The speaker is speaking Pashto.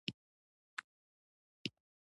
سنگ مرمر د افغانستان د ښاري پراختیا سبب کېږي.